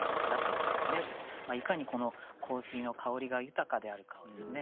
いかにこの香水の香りが豊かであるかをですね